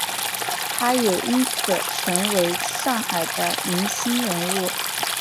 他也因此成为上海的明星人物。